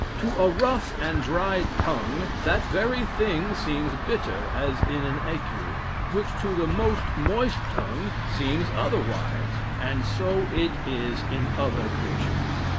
To a rough and dry tongue that very thing seems bitter (as in an ague,) which to the most moist tongue seems otherwise, and so is it in other creatures.